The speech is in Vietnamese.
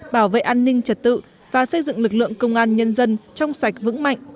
bảo vệ an ninh trật tự và xây dựng lực lượng công an nhân dân trong sạch vững mạnh